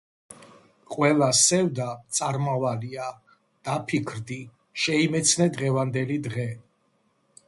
ყველა სევდა წარმავალია, დაფიქრდი, შეიმეცნე დღევანდელი დღე.